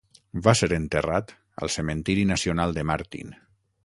Va ser enterrat al Cementiri Nacional de Martin.